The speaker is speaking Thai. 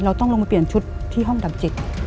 เราต้องลงมาเปลี่ยนชุดที่ห้องดับจิต